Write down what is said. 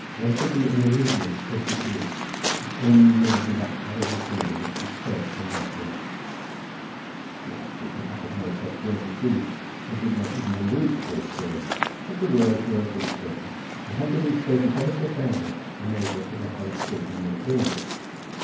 "There shall be an elysium opened to you, if only you will not do that terrible thing of which you spoke when last here." The archdeacon uttered no such words as these, and did not even allude to Grace Crawley; but the words were as good as spoken, and had they been spoken ever so plainly the major could not have understood them more clearly.